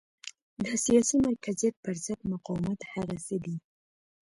د سیاسي مرکزیت پرضد مقاومت هغه څه دي.